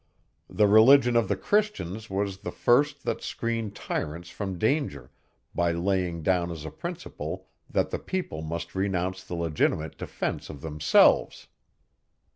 The religion of the Christians was the first that screened tyrants from danger, by laying down as a principle that the people must renounce the legitimate defence of themselves.